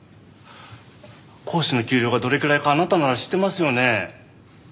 講師の給料がどれくらいかあなたなら知ってますよね？